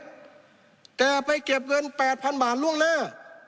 แต่ไปเก็บเงินแปดพันบาทล่วงหน้า